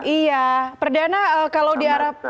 iya perdana kalau di arab